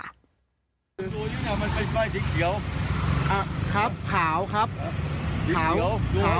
คุณดูอยู่นะมันเป็นใบจิ๊กเขียวอ่ะครับขาวครับขาวดูให้ดีอ่ะ